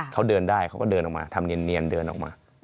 เขาเดินได้เขาก็เดินออกมาทำเนียนเดินออกมา